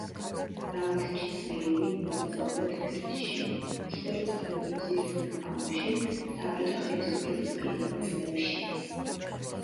დავით ჩისლიევი მოღვაწეობდა თბილისში უშუალოდ რევოლუციის წინა ხანებში და საბჭოთა ხელისუფლების პირველ წლებში.